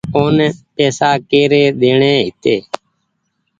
اون پئيسا ڪيري ڏيڻي هيتي۔